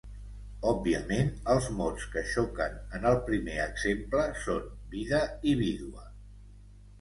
Òbviament els mots que xoquen en el primer exemple són vida i vídua.